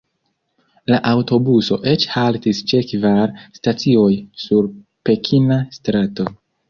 La aŭtobuso eĉ haltis ĉe kvar stacioj sur pekina strato.